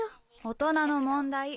大人の問題！